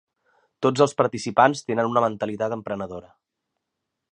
Tots els participants tenen una mentalitat emprenedora.